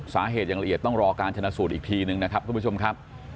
สาเหตุอย่างละเอียดต้องรอการชนะสูตรอีกทีนึงนะครับทุกผู้ชมครับ